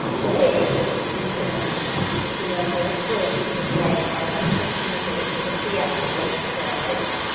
'Slave!' returned Mr. Lenville, flourishing his right arm, and approaching Nicholas with a theatrical stride.